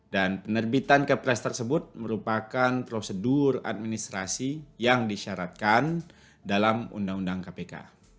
dan penerbitan kepres tersebut merupakan prosedur administrasi yang disyaratkan dalam undang undang kpk